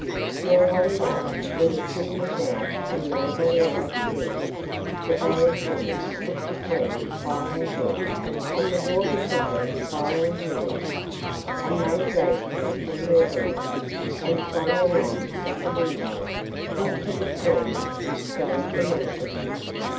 Now one day, when the King was out and nobody else near, the bad woman took the Queen by her head, and the daughter took her by her heels, and they dragged her from her bed, and flung her out of the window into the stream which flowed beneath it.